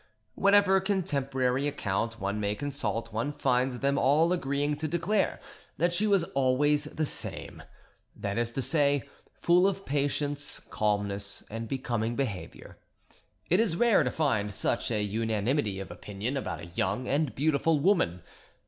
Whatever contemporary account one may consult, one finds them all agreeing to declare that she was always the same—that is to say, full of patience, calmness, and becoming behaviour—and it is rare to find such a unanimity of opinion about a young and beautiful woman.